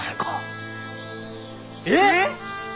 えっ！？